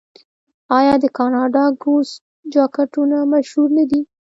آیا د کاناډا ګوز جاکټونه مشهور نه دي؟